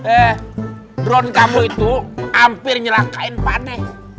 eh drone kamu itu hampir nyelang kain panik